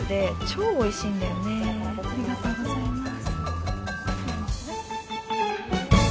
超おいしいんだよねありがとうございます